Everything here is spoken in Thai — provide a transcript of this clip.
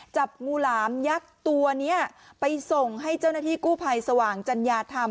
จับงูหลามยักษ์ตัวนี้ไปส่งให้เจ้าหน้าที่กู้ภัยสว่างจัญญาธรรม